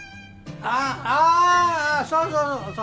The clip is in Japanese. あっああそうそうそうそう。